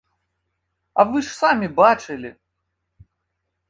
А вы ж самі бачылі!